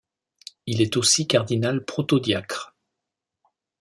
Il est aussi cardinal protodiacre.